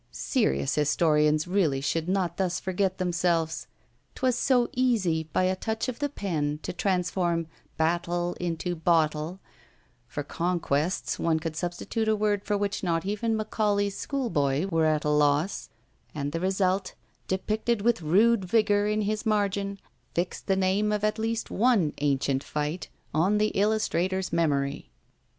Serious historians really should not thus forget themselves. 'Twas so easy, by a touch of the pen, to transform "battle" into "bottle"; for "conquests" one could substitute a word for which not even Macaulay's school boy were at a loss; and the result, depicted with rude vigour in his margin, fixed the name of at least one ancient fight on the illustrator's memory.